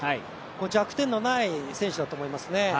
弱点のない選手だと思いますね。